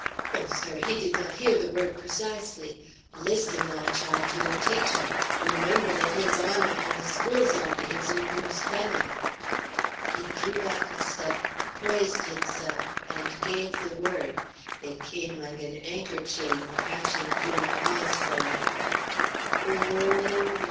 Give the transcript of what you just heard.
O, sir, he did not hear the word precisely. Listten, my chile, to yo' teacher! remember that his honor and the school's honor is in yo' spelling!" He drew back a step, poised himself, and gave the word. It came like an anchor chain crashing through a hawse hole.